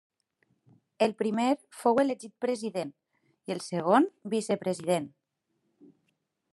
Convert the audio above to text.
El primer fou elegit president i el segon vicepresident.